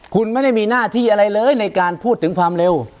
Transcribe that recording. คุณไม่ได้มีหน้าที่อะไรเลยในการพูดถึงความเร็ว